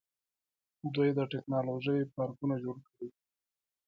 دوی د ټیکنالوژۍ پارکونه جوړ کړي دي.